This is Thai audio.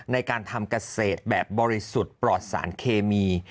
ในการทำเกษตรแบบบริสุทธิ์ปลอดสารเคมี